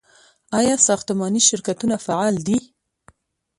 آیا ساختماني شرکتونه فعال دي؟